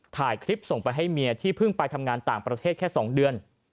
ถ่ายคลิปส่งไปให้เมียที่เพิ่งไปทำงานต่างประเทศแค่๒เดือน